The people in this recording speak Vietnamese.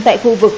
tại khu vực